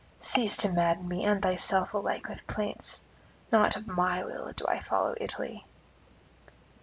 Cease to madden me and thyself alike with plaints. Not of my will do I follow Italy.